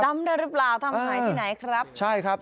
จำได้หรือเปล่าทำไฟล์ที่ไหน